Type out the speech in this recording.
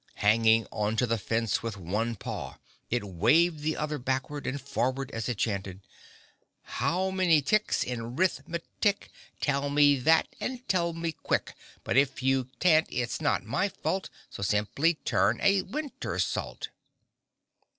Hanging on to the fence with one paw it waved the other backward and forward as it chanted: "How many tics in Rith Metic? Tell me that and tell me quick! But if you can't it's not my fault, So simply turn a wintersault!"